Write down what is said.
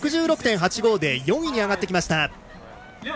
６６．８５で４位に上がってきました。